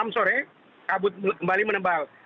enam sore kabut kembali menebal